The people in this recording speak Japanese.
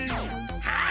はい。